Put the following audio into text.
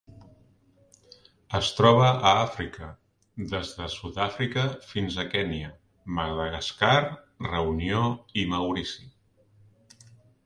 Es troba a Àfrica: des de Sud-àfrica fins a Kenya, Madagascar, Reunió i Maurici.